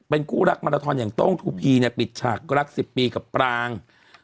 เป็นคู่รักมาราทอนอย่างโต้งทูพีเนี่ยปิดฉากรัก๑๐ปีกับปราง